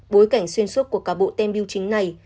bối cảnh xuyên suốt của cả bộ tem biêu chính này